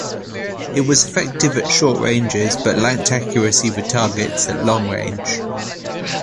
It was effective at short ranges, but lacked accuracy for targets at long range.